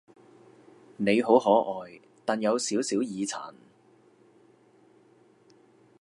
你好可愛，但有少少耳殘